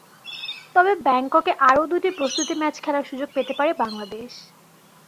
তবে ব্যাংককে আরও দুটি প্রস্তুতি ম্যাচ খেলার সুযোগ পেতে পারে বাংলাদেশ।